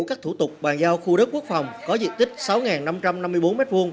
các thủ tục bàn giao khu đất quốc phòng có diện tích sáu năm trăm năm mươi bốn m hai